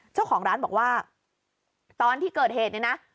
เจ้าของร้านบอกว่าตอนที่เกิดเหตุเนี่ยนะ